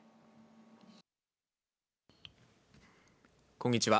こんにちは。